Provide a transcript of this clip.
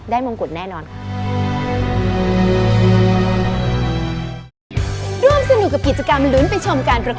มงกุฎแน่นอนค่ะ